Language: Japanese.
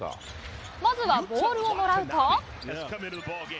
まずは、ボールをもらうと。